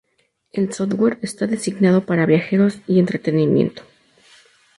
El software está designado para viajeros y entretenimiento.